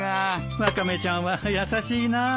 ワカメちゃんは優しいな。